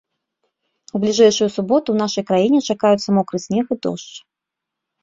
У бліжэйшую суботу ў нашай краіне чакаюцца мокры снег і дождж.